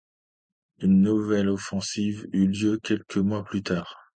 Une nouvelle offensive eut lieu quelques mois plus tard.